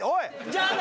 じゃあな。